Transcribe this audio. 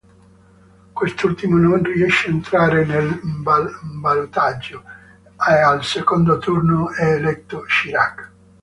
Quest'ultimo non riesce a entrare nel ballottaggio, e al secondo turno è eletto Chirac.